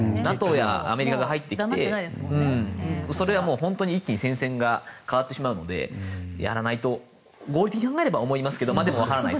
ＮＡＴＯやアメリカが入ってきてそれだと本当に戦線が変わってしまうのでやらないと合理的に考えれば思いますけどそこはわからない。